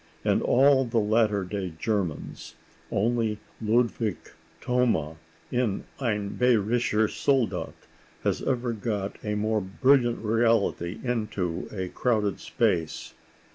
Of all the latter day Germans, only Ludwig Thoma, in "Ein bayrischer Soldat," has ever got a more brilliant reality into a crowded space.